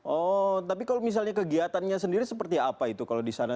oh tapi kalau misalnya kegiatannya sendiri seperti apa itu kalau di sana